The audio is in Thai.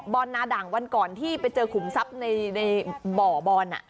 นาด่างวันก่อนที่ไปเจอขุมทรัพย์ในบ่อบอล